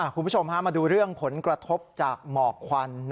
คุณผู้ชมมาดูเรื่องผลกระทบจากหมอกควัน